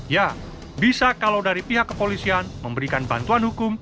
ya bisa kalau dari pihak kepolisian memberikan bantuan hukum